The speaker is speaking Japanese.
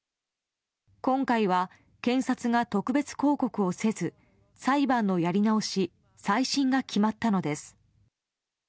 今回は検察が特別抗告をせず裁判のやり直し再審が決まったのです。